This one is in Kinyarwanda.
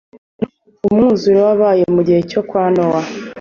umwuzure wabaye mugihe cyo kwa nowa